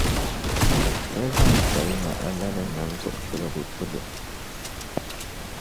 ka zaŋ salima alali nam zuɣupiligu pili o.